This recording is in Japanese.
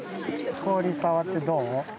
氷、触ってどう。